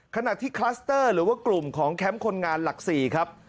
ขณะที่คลัสเตอร์หรือว่ากลุ่มของแคมป์คนงานหลัก๔ครับ